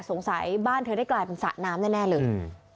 สงสัยบ้านเธอได้กลายเป็นสระน้ำแน่เลย